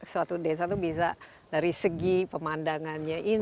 suatu desa itu bisa dari segi pemandangannya ini